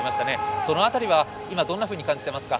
そのあたりは今どんなふうに感じていますか？